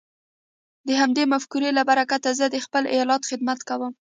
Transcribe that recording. د همدې مفکورې له برکته زه د خپل ايالت خدمت کوم.